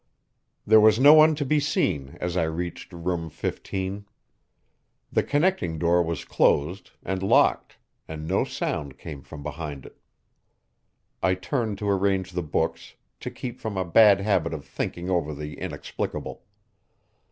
There was no one to be seen as I reached Room 15. The connecting door was closed and locked, and no sound came from behind it. I turned to arrange the books, to keep from a bad habit of thinking over the inexplicable.